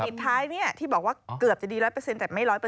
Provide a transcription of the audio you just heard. สุดท้ายที่บอกว่าเกือบจะดี๑๐๐แต่ไม่๑๐๐